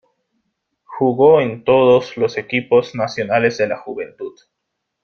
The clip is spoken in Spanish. Jugó en todos los equipos nacionales de la juventud.